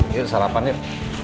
yuk sarapan yuk